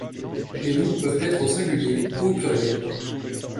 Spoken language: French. Les noms peuvent être au singulier ou au pluriel.